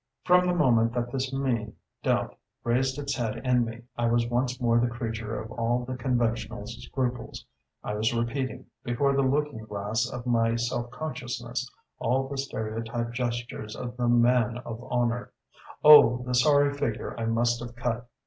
"From the moment that this mean doubt raised its head in me I was once more the creature of all the conventional scruples: I was repeating, before the looking glass of my self consciousness, all the stereotyped gestures of the 'man of honour.'... Oh, the sorry figure I must have cut!